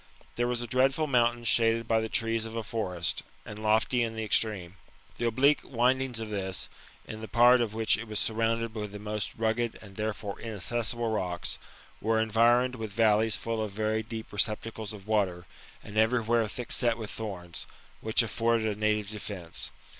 There was a dreadful mountain shaded by the trees of a forest, and lofty in the extreme. The oblique windings of this, in the part in which it was surrounded with the most rugged and therefore inaccessible rocks, were environed with valleys full of very deep receptacles of water, and everywhere thick set with thorns, which afforded a native defence.